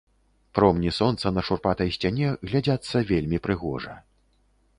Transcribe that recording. Промні сонца на шурпатай сцяне глядзяцца вельмі прыгожа.